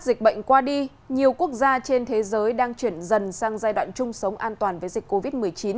dịch bệnh qua đi nhiều quốc gia trên thế giới đang chuyển dần sang giai đoạn chung sống an toàn với dịch covid một mươi chín